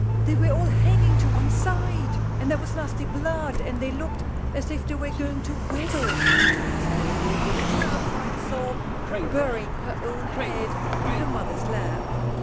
They were all hanging to one side; and there was nasty blood, and they looked as if they was going to waggle," concludes Mabel, with a terrified sob, burying her own head in her mother's lap.